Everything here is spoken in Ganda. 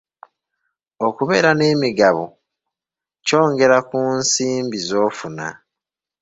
Okubeera n'emigabo kyongera ku nsimbi z'ofuna.